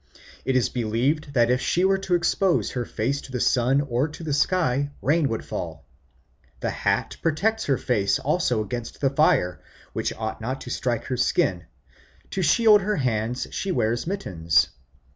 It is believed that if she were to expose her face to the sun or to the sky, rain would fall. The hat protects her face also against the fire, which ought not to strike her skin; to shield her hands she wears mittens.